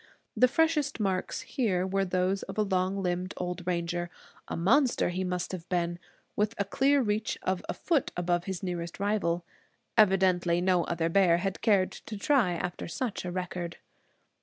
The freshest marks here were those of a long limbed old ranger a monster he must have been with a clear reach of a foot above his nearest rival. Evidently no other bear had cared to try after such a record.